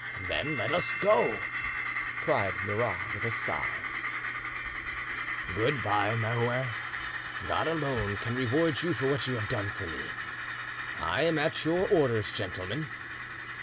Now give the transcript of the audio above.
"Then let us go!" cried Murat, with a sigh. "Good bye, Marouin.... God alone can reward you for what you have done for me. I am at your orders, gentlemen."